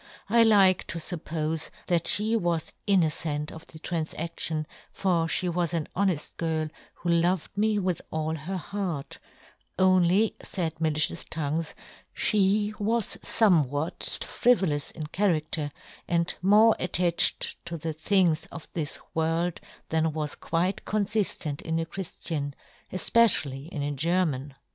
I Hke to fuppofe that fhe was inno cent of the tranfaftion, for fhe was an honeft girl, who loved me with all her heart, only, faid ma licious tongues, fhe was fome what frivolous in charadter, and more attached to the things of this world than was quite confiflent in a Chriftian, efpecially in a German.